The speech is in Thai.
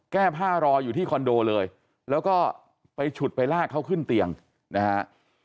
แก้ผ้ารออยู่ที่คอนโดเลยแล้วก็ไปฉุดไปลากเขาขึ้นเตียงนะฮะ